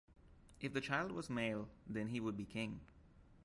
If the child was male, then he would be king.